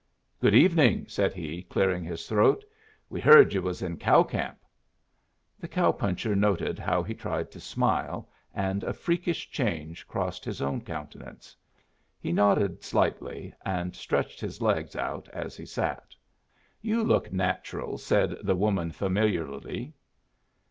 "Good evening," said he, clearing his throat. "We heard you was in cow camp." The cow puncher noted how he tried to smile, and a freakish change crossed his own countenance. He nodded slightly, and stretched his legs out as he sat. "You look natural," said the woman, familiarly.